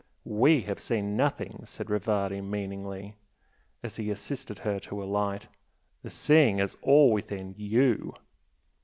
"WE have seen nothing" said Rivardi meaningly, as he assisted her to alight "The seeing is all with YOU!"